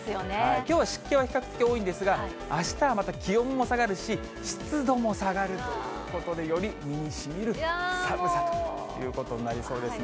きょう、湿気は比較的多いんですが、あしたはまた気温も下がるし、湿度も下がるということで、より身にしみる寒さということになりそうですね。